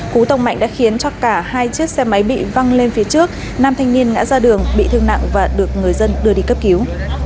cú tông mạnh đã khiến cho cả hai chiếc xe máy bị văng lên phía trước nam thanh niên ngã ra đường bị thương nặng và được người dân đưa đi cấp cứu